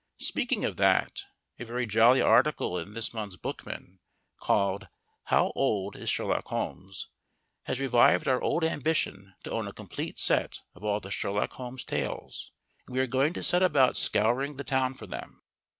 (Speaking of that, a very jolly article in this month's Bookman, called "How Old Is Sherlock Holmes?" has revived our old ambition to own a complete set of all the Sherlock Holmes tales, and we are going to set about scouring the town for them).